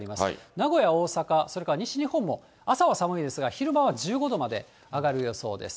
名古屋、大阪、それから西日本も朝は寒いですが、昼間は１５度まで上がる予想です。